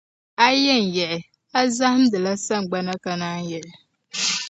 A yi yɛn yiɣi, a zahindila sagbana ka naanyi yiɣi.